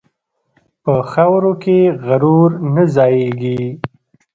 په خاورو کې غرور نه ځایېږي.